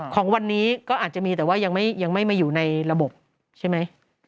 ของวันนี้ก็อาจจะมีแต่ว่ายังไม่มาอยู่ในระบบใช่ไหม